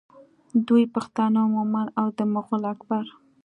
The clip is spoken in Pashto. دوی پښتانه مومند او د مغول اکبر